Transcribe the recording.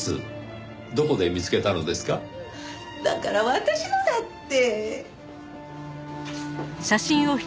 だから私のだって。